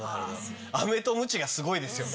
アメとムチがすごいですよね。